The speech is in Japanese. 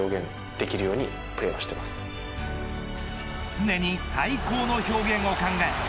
常に最高の表現を考える。